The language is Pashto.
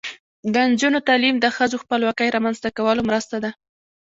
د نجونو تعلیم د ښځو خپلواکۍ رامنځته کولو مرسته ده.